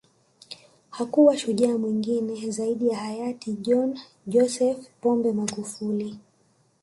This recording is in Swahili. Hakuwa shujaa mwingine zaidi ya hayati John Joseph Pombe Magufuli